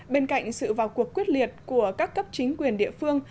bên cạnh sự vào cuộc quyết liệt của các cấp chính quyền địa phương